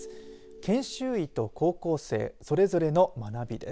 研修医と高校生それぞれの学びです。